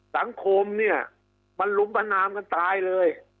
สังคมเนี่ยมันลุมประนามกันตายเลย